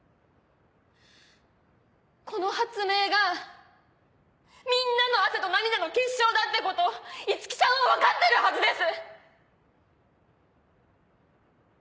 この発明がみんなの汗と涙の結晶だってこと五木さんは分かってるはずです！